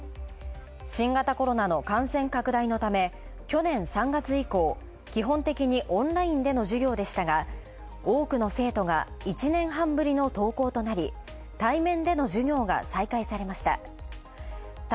新型コロナの感染拡大のため去年３月以降基本的にオンラインでの授業でしたが、多くの生徒が１年半ぶりの登校となり、対面での授業が再開されました。